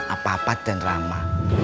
apa apa ten rama